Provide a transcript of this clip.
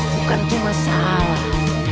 bukan cuma salah